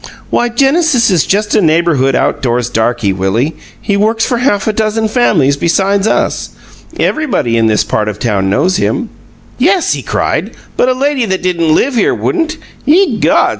"Why, Genesis is just a neighborhood outdoors darky, Willie; he works for half a dozen families besides us. Everybody in this part of town knows him." "Yes," he cried, "but a lady that didn't live here wouldn't. Ye gods!